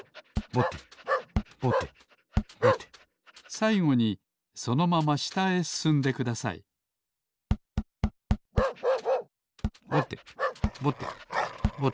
さいごにそのまましたへすすんでくださいぼてぼてぼて。